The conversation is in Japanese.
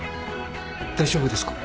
大丈夫ですか？